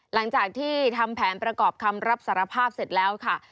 หลังจากที่ทำแผนประกอบคำรับสารภาพเสร็จแล้วค่ะ